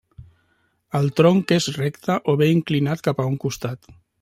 El tronc és recte o bé inclinat cap a un costat.